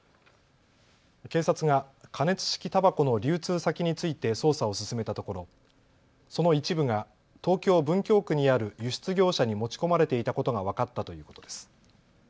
警察が加熱式たばこの流通先について捜査を進めたところその一部が東京文京区にある輸出業者に持ち込まれていたことが分かったということです。